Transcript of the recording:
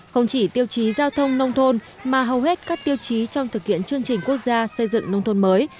không chỉ tiêu chí giao thông nông thôn mà hầu hết các tiêu chí trong thực hiện chương trình quốc gia xây dựng nông thôn mới